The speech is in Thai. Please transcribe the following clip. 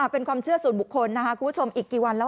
เป็นความเชื่อส่วนบุคคลนะคะคุณผู้ชมอีกกี่วันแล้ว